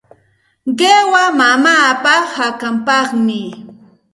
Qiwa mamaapa hakanpaqmi.